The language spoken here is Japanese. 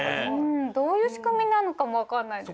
どういうしくみなのかもわかんないです。